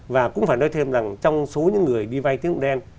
và cũng phải nói thêm rằng trong số những người đi vay tín dụng đen